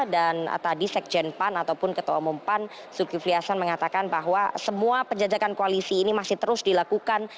dan tadi sekjen pan ataupun ketua umum pan suki fliasan mengatakan bahwa semua penjajakan koalisi ini masih terus dilakukan